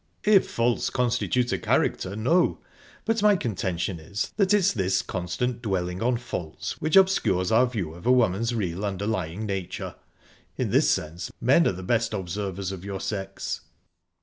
"If faults constitute a character no. But my contention is that it's this constant dwelling on faults which obscures our view of a woman's real underlying nature. In this sense men are the best observers of your sex."